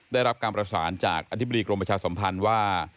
ได้รับการประสานจากอธิบดีกรมประชาสัมพันธ์ว่า